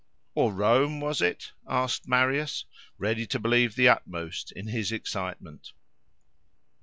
—Or Rome, was it? asked Marius, ready to believe the utmost, in his excitement.